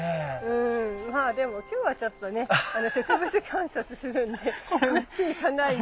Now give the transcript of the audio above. うんまあでも今日はちょっとね植物観察するんでこっち行かないで。